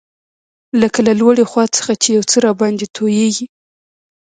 لکه له لوړې خوا څخه چي یو څه راباندي تویېږي.